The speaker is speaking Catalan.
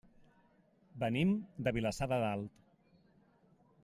Venim de Vilassar de Dalt.